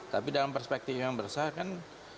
tapi dalam perspektif yang besar kan